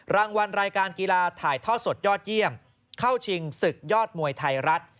รางวัลรายการกีฬาถ่ายทอดสดยอดเยี่ยมเข้าชิงศึกยอดมวยไทยรัฐ